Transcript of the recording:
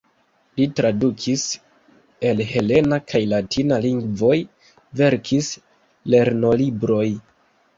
Li tradukis el helena kaj latina lingvoj, verkis lernolibrojn.